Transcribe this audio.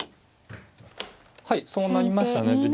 はいそうなりましたね。